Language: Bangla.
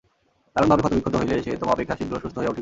দারুণভাবে ক্ষতবিক্ষত হইলে সে তোমা অপেক্ষা শীঘ্র সুস্থ হইয়া উঠিবে।